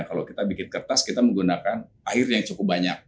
kalau kita bikin kertas kita menggunakan air yang cukup banyak